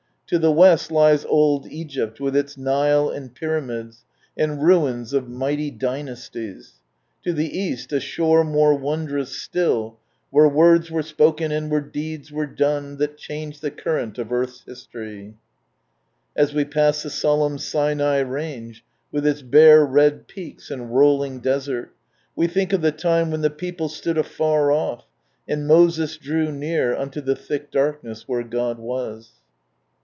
To the west lies old Egypt, with its Nile and pyramids, and ruins of mighty dynasties. To the east a shore more wondrous still. That changed the it of earth's As we pass the solemn Sinai Range, with its bare red peaks and rolling desert, we think of the time when the people stood afar off, and Moses drew near unto the thick darkness where God was.